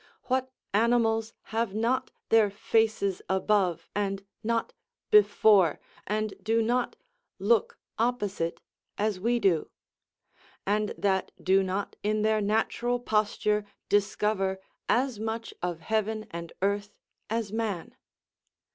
What animals have not their faces above and not before, and do not look opposite, as we do; and that do not in their natural posture discover as much of heaven and earth as man?